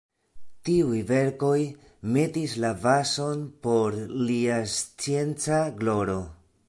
Tiuj verkoj metis la bazon por lia scienca gloro.